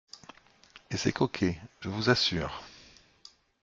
Et c’est coquet, je vous assure.